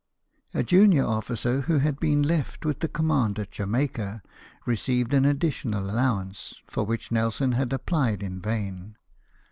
A junior officer, who had been left with the command at Jamaica, received an addi tional allowance, for which Nelson had applied in vain.